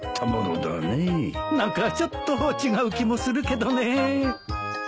何かちょっと違う気もするけどねえ。